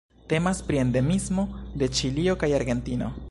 Temas pri endemismo de Ĉilio kaj Argentino.